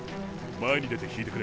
前に出て引いてくれ。